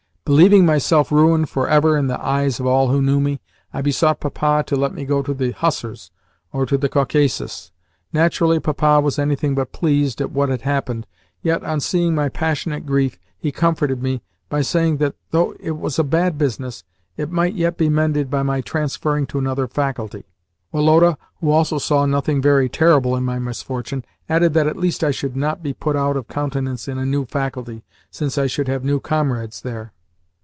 Believing myself ruined for ever in the eyes of all who knew me, I besought Papa to let me go into the hussars or to the Caucasus. Naturally, Papa was anything but pleased at what had happened; yet, on seeing my passionate grief, he comforted me by saying that, though it was a bad business, it might yet be mended by my transferring to another faculty. Woloda, who also saw nothing very terrible in my misfortune, added that at least I should not be put out of countenance in a new faculty, since I should have new comrades there.